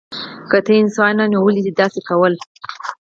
که ته انسان وای نو ولی دی داسی کول